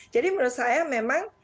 jadi menurut saya memang